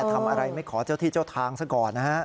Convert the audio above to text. ทำอะไรไม่ขอเจ้าที่เจ้าทางซะก่อนนะฮะ